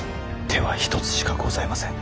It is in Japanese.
手は一つしかございません。